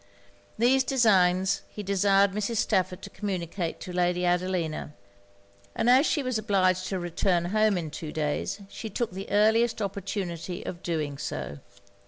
These designs he desired Mrs. Stafford to communicate to Lady Adelina; and as she was obliged to return home in two days, she took the earliest opportunity of doing so.